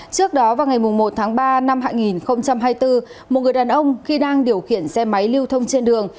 trước đó vào ngày một tháng ba năm hai nghìn hai mươi bốn một người đàn ông khi đang điều khiển xe máy lưu thông trên đường